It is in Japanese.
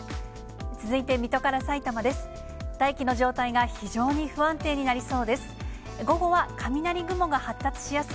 続いて水戸からさいたまです。